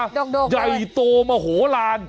โดกใช่มั้ยใหญ่โตมหลาน